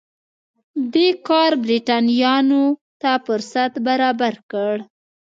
دې کار برېټانویانو ته فرصت برابر کړ.